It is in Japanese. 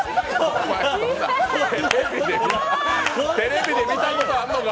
テレビで見たことあるのか？